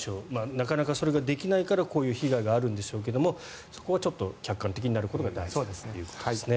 なかなかそれができないからこういう被害があるんでしょうけどそこは客観的になることが大切ということですね。